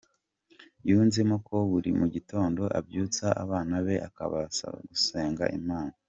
Yunzemo ko buri mu gitondo abyutsa abana be akabasaba gusenga Imana.